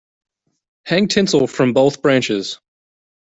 Hang tinsel from both branches.